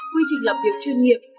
quy trình lập việc chuyên nghiệp